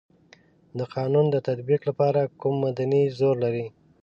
د قانون د تطبیق لپاره کوم مدني زور لري.